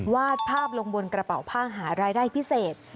วาดภาพลงบนกระเป๋าผ้าหารายได้พิเศษ